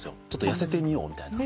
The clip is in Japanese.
痩せてみようみたいな。